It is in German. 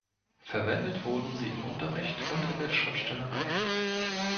Verwendet wurden sie im Unterricht und in der Schriftstellerei.